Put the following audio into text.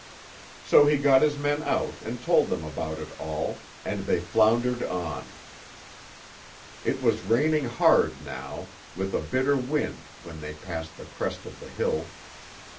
So he got his men out and told them about it all, and they floundered on. It was raining hard now, with a bitter wind when they passed the crest of the hill.